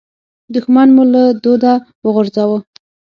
دوښمن مو له دوده وغورځاوو.